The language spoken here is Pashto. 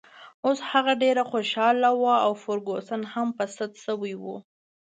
اوس هغه ډېره خوشحاله وه او فرګوسن هم په سد شوې وه.